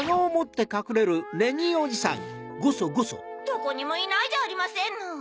どこにもいないじゃありませんの。